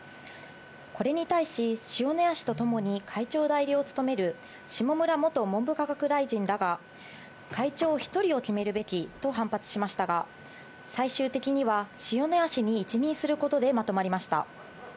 これに対し、塩谷氏とともに会長代理を務める下村元文部科学大臣らが、会長１人を決めるべきと、反発しましたが、最終的には塩谷氏に一任することでまとまりました。